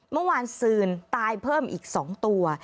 เมื่อคืนซืนตายเพิ่มอีก๒ตัว